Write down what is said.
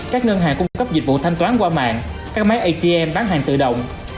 các ngân hàng cung cấp dịch vụ thanh toán qua mạng các máy atm bán hàng tự động